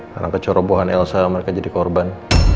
karena kecorobohan elsa mereka jadi korban